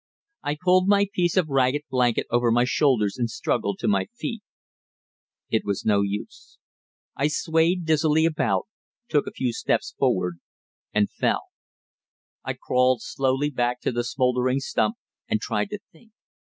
I pulled my piece of ragged blanket over my shoulders and struggled to my feet. It was no use. I swayed dizzily about, took a few steps forward and fell. I crawled slowly back to the smouldering stump and tried to think.